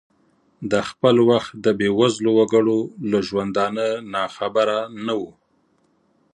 د خپل وخت د بې وزلو وګړو له ژوندانه ناخبره نه ؤ.